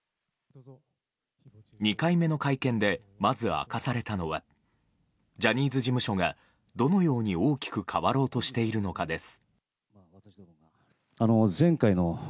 ２回目の会見でまず明かされたのはジャニーズ事務所がどのように大きく変わろうとしているのかです。